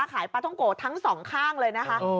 ขายปลาท่องโกะทั้งสองข้างเลยนะคะ